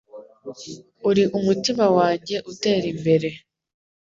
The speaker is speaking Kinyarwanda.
Uri umutima wanjye utera imbere.